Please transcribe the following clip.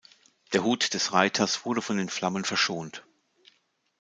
Der Hut des Reiters wurde von den Flammen verschont.